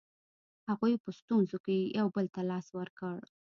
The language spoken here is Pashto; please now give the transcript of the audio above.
هغوی په ستونزو کې یو بل ته لاس ورکړ.